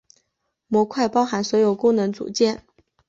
模块包含所有功能组件。